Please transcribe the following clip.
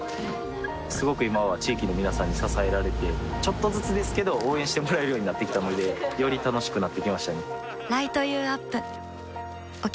すごく今は地域の皆さんに支えられてちょっとずつですけど応援してもらえるようになってきたのでより楽しくなってきましたね